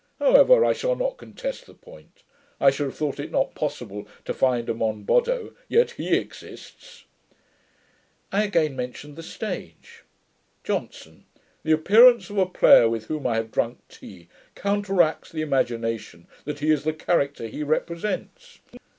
However, I shall not contest the point. I should have thought it not possible to find a Monboddo; yet HE exists.' I again mentioned the stage. JOHNSON. 'The appearance of a player, with whom I have drunk tea, counteracts the imagination that he is the character he represents.